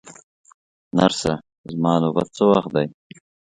نرسه، زما نوبت څه وخت دی؟